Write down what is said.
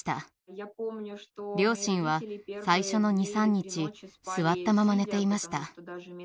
両親は最初の２３日座ったまま寝ていました。